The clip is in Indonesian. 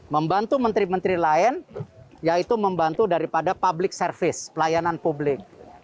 membantu menteri menteri lain yaitu membantu daripada public service pelayanan publik